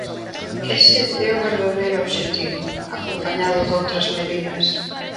Ese é o verdadeiro obxectivo, acompañado doutras medidas.